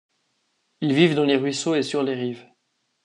Ils vivent dans les ruisseaux et sur les rives.